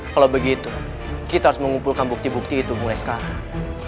kalau begitu kita harus mengumpulkan bukti bukti itu mulai sekarang